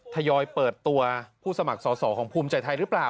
ทยอยเปิดตัวผู้สมัครสอสอของภูมิใจไทยหรือเปล่า